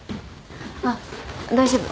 あっ大丈夫。